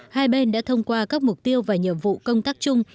hai bên đã thông qua các mục tiêu và nhiệm vụ công tác chung